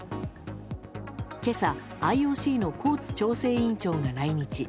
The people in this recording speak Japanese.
今朝、ＩＯＣのコーツ調整委員長が来日。